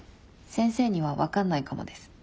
先生には分かんないかもです。